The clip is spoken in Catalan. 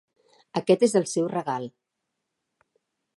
Aquest és el seu regal.